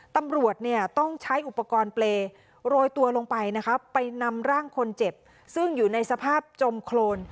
ตำรวจเนี่ยต้องใช้อุปกรณ์เปรย์โรยตัวลงไปนะคะไปนำร่างคนเจ็บซึ่งอยู่ในสภาพจมโครน